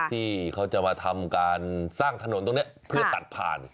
ที่เขาจะมาทำการสร้างถนนตรงนี้เพื่อตัดผ่าน